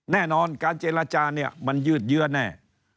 แน่นอนการเจรจาเนี่ยมันยืดเยื้อแน่